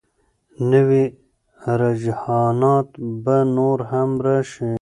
نوي رجحانات به نور هم راشي.